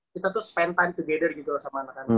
kita tuh spend time together gitu loh sama anak anak